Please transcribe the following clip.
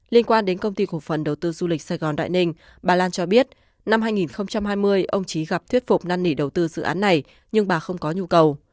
liên quan đến công ty cổ phần đầu tư du lịch sài gòn đại ninh bà lan cho biết năm hai nghìn hai mươi ông trí gặp thuyết phục năn nỉ đầu tư dự án này nhưng bà không có nhu cầu